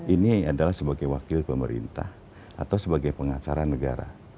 ini adalah sebagai wakil pemerintah atau sebagai pengacara negara